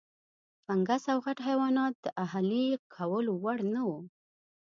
فنګس او غټ حیوانات د اهلي کولو وړ نه وو.